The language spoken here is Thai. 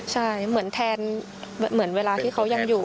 ใช่เหมือนแทนเหมือนเวลาที่เขายังอยู่